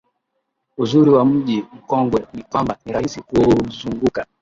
Uzuri wa Mji Mkongwe ni kwamba ni rahisi kuuzunguka